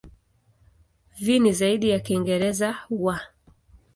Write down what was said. V ni zaidi ya Kiingereza "w".